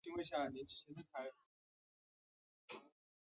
其母是安禄山平妻段氏。